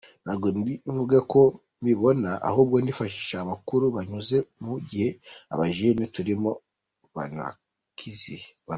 Ntabwo ndi buvuge uko mbibona, ahubwo ndifashisha abakuru banyuze mu gihe abajene turimo, banakizi.